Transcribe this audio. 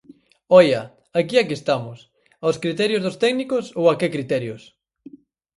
Oia, ¿aquí a que estamos?, ¿aos criterios dos técnicos ou a que criterios?